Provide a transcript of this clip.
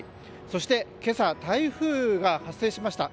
そして、今朝台風が発生しました。